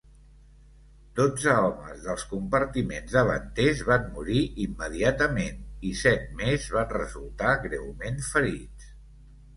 Dotze homes dels compartiments davanters van morir immediatament i set més van resultar greument ferits.